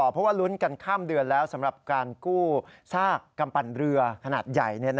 เพราะว่าลุ้นกันข้ามเดือนแล้วสำหรับการกู้ซากกำปั่นเรือขนาดใหญ่